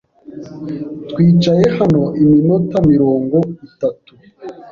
Twicaye hano iminota mirongo itatu.